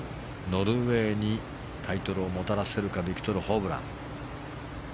ノルウェーにタイトルをもたらせるかビクトル・ホブラン。